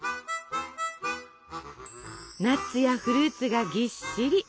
ナッツやフルーツがぎっしり！